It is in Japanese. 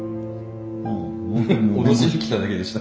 脅しに来ただけでした。